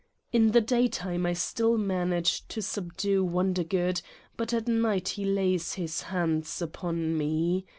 In the daytime I still manage to subdue Wonder good but at night he lays his hands upon me.